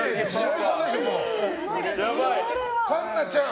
栞奈ちゃん